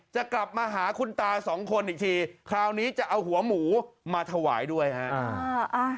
จะกลับมาหาคุณตาสองคนอีกทีคราวนี้จะเอาหัวหมูมาถวายด้วยฮะ